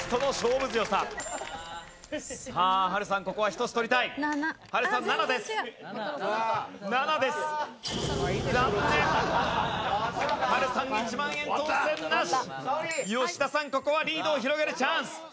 ここはリードを広げるチャンス。